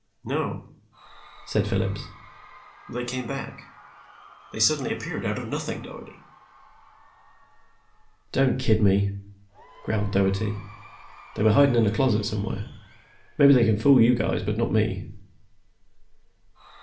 "No," said Phillips. "They came back. They suddenly appeared out of nothing, Doherty." "Don't kid me," growled Doherty. "They were hidin' in a closet somewhere. Maybe they can fool you guys, but not me."